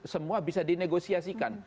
semua bisa dinegosiasikan